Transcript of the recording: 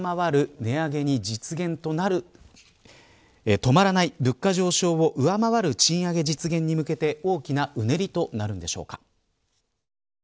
止まらない物価上昇を上回る賃上げ実現に向けて大きなうねりとなるのでしょうか。